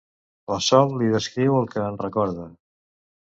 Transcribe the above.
La Sol li descriu el que en recorda.